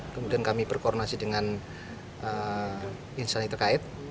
kemudian kami berkoronasi dengan instan yang terkait